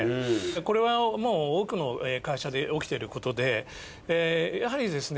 これは多くの会社で起きていることでやはりですね